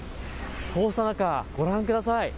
そうした中、ご覧ください。